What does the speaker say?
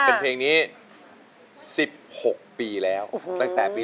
เป็นเพลงนี้๑๖ปีแล้วตั้งแต่ปี๒๕